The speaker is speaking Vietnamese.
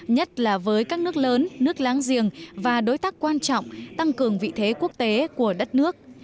nhất là với các nước lớn nước láng giềng và đối tác quan trọng tăng cường vị thế quốc tế của đất nước